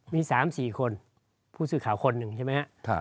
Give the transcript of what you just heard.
มีสามสี่คนผู้ซื้อข่าวคนหนึ่งใช่ไหมฮะ